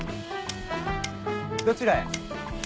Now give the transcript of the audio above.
どちらへ？